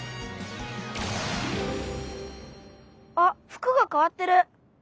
あ服がかわってる。